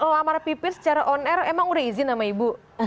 kalau lamar pipit secara on air emang udah izin sama ibu